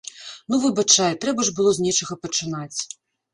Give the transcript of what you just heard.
Ну выбачай, трэба ж было з нечага пачынаць.